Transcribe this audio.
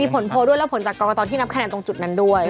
ผลโพลด้วยและผลจากกรกตที่นับคะแนนตรงจุดนั้นด้วย